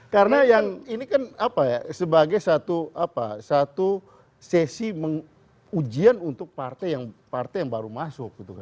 karena yang ini kan apa ya sebagai satu sesi ujian untuk partai yang baru masuk